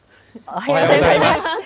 おはようございます。